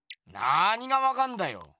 なにがわかんだよ？